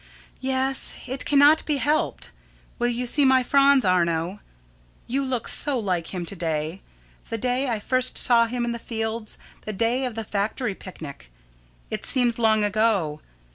_] Yes, it cannot be helped. Will you see my Franz, Arno? You look so like him to day the day I first saw him in the fields, the day of the factory picnic. It seems long ago.